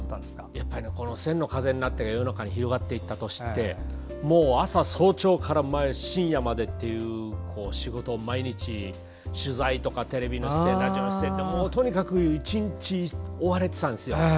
やっぱり「千の風になって」が世の中に広がっていった年って早朝から深夜まで仕事を毎日取材とかテレビの出演ラジオの出演って、とにかく１日追われていたんですよ。